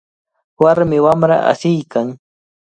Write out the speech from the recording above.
Warmi wamra asiykan.